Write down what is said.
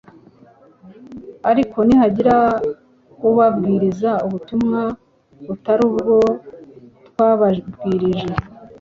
Ariko nihagira ubabwiriza ubutumwa butari ubwo twababwirije,